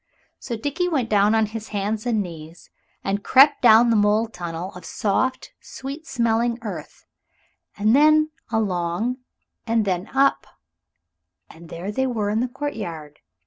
So Dickie went down on his hands and knees, and crept down the mole tunnel of soft, sweet smelling earth, and then along, and then up and there they were in the courtyard.